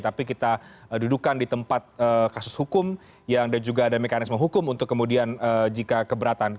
tapi kita dudukan di tempat kasus hukum dan juga ada mekanisme hukum untuk kemudian jika keberatan